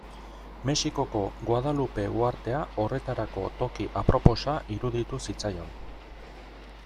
Mexikoko Guadalupe uhartea horretarako toki aproposa iruditu zitzaion.